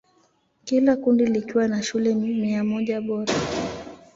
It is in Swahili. Kila kundi likiwa na shule mia moja bora.